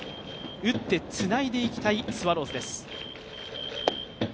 打って、つないでいきたいスワローズです。